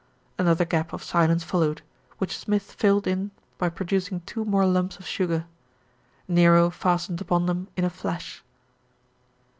Another gap of silence followed, which Smith filled in by producing two more lumps of sugar. Nero fastened upon them in a flash.